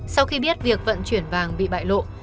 sau khi biết việc vận chuyển vàng bị bại lộ